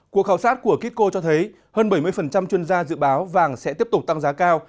cuộc khảo sát của kitco cho thấy hơn bảy mươi chuyên gia dự báo vàng sẽ tiếp tục tăng giá cao